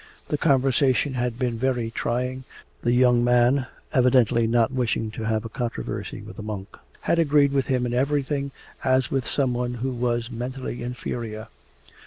The conversation had been very trying. The young man, evidently not wishing to have a controversy with a monk, had agreed with him in everything as with someone who was mentally inferior.